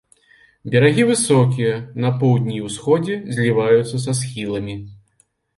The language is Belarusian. Берагі высокія, на поўдні і ўсходзе зліваюцца са схіламі.